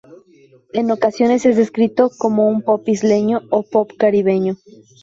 En ocasiones es descrito como un Pop Isleño o Pop Caribeño.